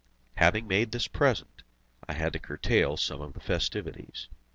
Having made this present, I had to curtail some of the festivities.